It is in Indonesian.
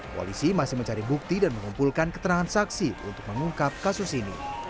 polisi masih mencari bukti dan mengumpulkan keterangan saksi untuk mengungkap kasus ini